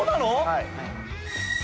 はい。